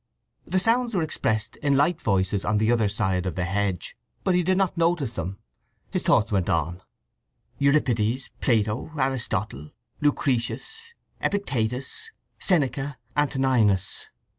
The sounds were expressed in light voices on the other side of the hedge, but he did not notice them. His thoughts went on: "—Euripides, Plato, Aristotle, Lucretius, Epictetus, Seneca, Antoninus.